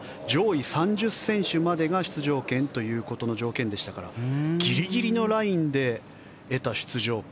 上位３０選手までが出場権という条件でしたからギリギリのラインで得た出場権。